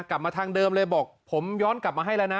กลับมาทางเดิมเลยบอกผมย้อนกลับมาให้แล้วนะ